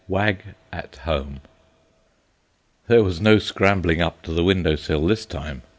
VIII WAG AT HOME There was no scrambling up to the window sill this time.